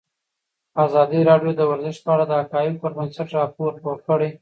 ازادي راډیو د ورزش په اړه د حقایقو پر بنسټ راپور خپور کړی.